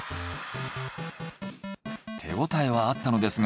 手ごたえはあったのですが。